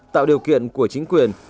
tạo điều kiện của chính quyền